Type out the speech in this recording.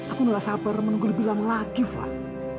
aku sudah sabar menunggu lebih lama lagi flan